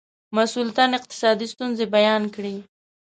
مسئول تن اقتصادي ستونزې بیان کړې.